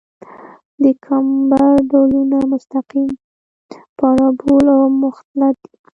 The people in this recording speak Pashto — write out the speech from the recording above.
د کمبر ډولونه مستقیم، پارابول او مختلط دي